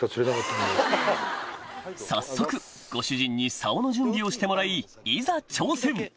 早速ご主人に竿の準備をしてもらいいざ挑戦！